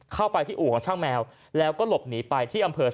เข้าไปที่อู่ของช่างแมวแล้วก็หลบหนีไปที่อำเภอ